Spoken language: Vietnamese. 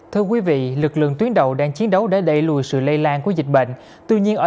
thưa quý vị lực lượng tuyến đầu đang chiến đấu để đẩy lùi sự lây lan của dịch bệnh tuy nhiên ở